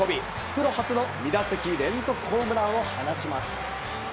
プロ初の２打席連続ホームランを放ちます。